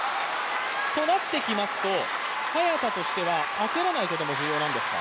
となってきますと、早田としては焦らないことも重要なんですか？